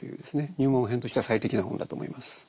入門編としては最適な本だと思います。